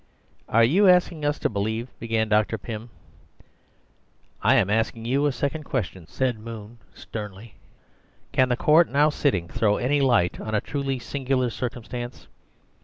"Are you asking us to believe—" began Dr. Pym. "I am asking you a second question," said Moon sternly. "Can the court now sitting throw any light on a truly singular circumstance?